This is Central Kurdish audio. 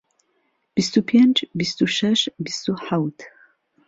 بیست و پێنج، بیست و شەش، بیست و حەوت